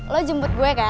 lo jemput gue kan